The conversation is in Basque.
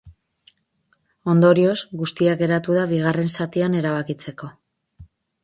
Ondorioz, guztia geratu da bigarren zatian erabakitzeko.